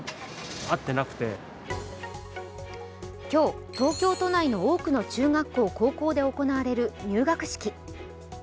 今日、東京都内の多くの中学校・高校で行われる入学式。